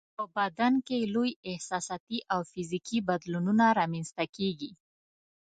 په بدن کې یې لوی احساساتي او فزیکي بدلونونه رامنځته کیږي.